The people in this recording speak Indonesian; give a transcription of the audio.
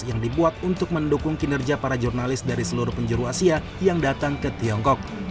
yang dibuat untuk mendukung kinerja para jurnalis dari seluruh penjuru asia yang datang ke tiongkok